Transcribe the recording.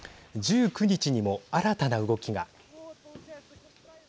１９日にも新たな動きが。